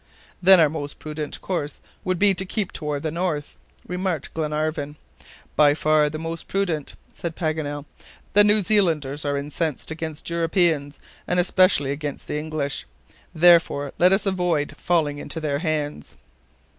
"Then our most prudent course would be to keep toward the north," remarked Glenarvan. "By far the most prudent," said Paganel. "The New Zealanders are incensed against Europeans, and especially against the English. Therefore let us avoid falling into their hands."